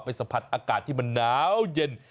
สัมผัสอากาศที่มันหนาวเย็น